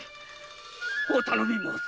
お頼み申す。